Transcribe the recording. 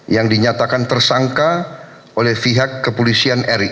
yang dinyatakan tersangka oleh pihak kepolisian ri